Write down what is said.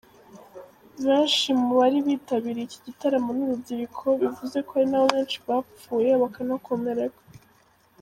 Benshi mu bari bitabiriye iki gitaramo ni urubyiruko bivuze ko arinabo benshi bapfuye bakanakomereka.